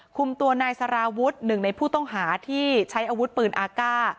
คุมตัวนายสารวุฒิหนึ่งในผู้ต้องหาที่ใช้อาวุธปืนอากาศ